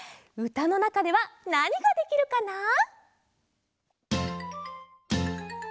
うたのなかではなにができるかな？